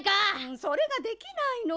それができないの。